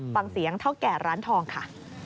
ฟังเสียงเท่าแก่ร้านทองค่ะ